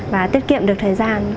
và tiết kiệm được thời gian